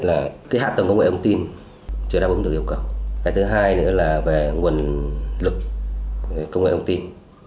là cái hạ tầng công nghệ thông tin chưa đáp ứng được yêu cầu cái thứ hai nữa là về nguồn lực công nghệ thông tin